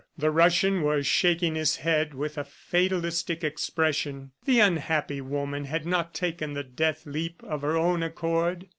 The Russian was shaking his head with a fatalistic expression. The unhappy woman had not taken the death leap of her own accord.